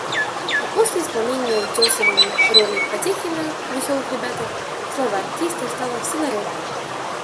а после исполнения Утесовым роли Потехина в "Веселых ребятах" слава артиста стала всенародной.